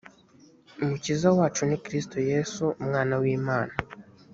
umukiza wacu ni kristo yezu umwana w’imana.